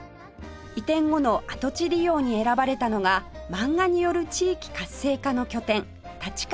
移転後の跡地利用に選ばれたのが漫画による地域活性化の拠点立川まんがぱーくでした